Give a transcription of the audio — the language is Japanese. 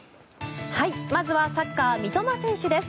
まずはサッカー三笘選手です。